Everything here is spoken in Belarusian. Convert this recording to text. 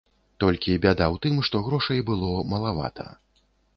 Толькі бяда ў тым, што грошай было малавата.